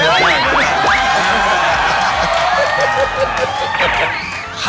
แม่กัน